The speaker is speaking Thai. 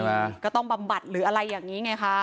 ก็ต้องบำบัดหรืออะไรอย่างนี้ไงคะ